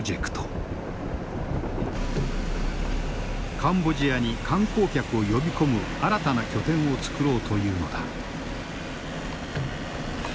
カンボジアに観光客を呼び込む新たな拠点をつくろうというのだ。